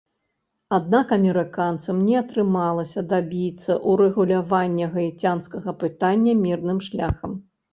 Аднак амерыканцам не атрымалася дабіцца ўрэгулявання гаіцянскага пытання мірным шляхам.